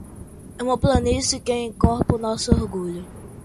E uma planície que encorpa nosso orgulho